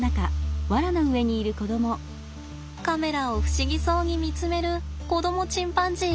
カメラを不思議そうに見つめる子供チンパンジー。